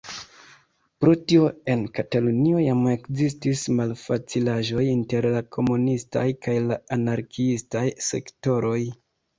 Pro tio en Katalunio jam ekzistis malfacilaĵoj inter la komunistaj kaj la anarkiistaj sektoroj.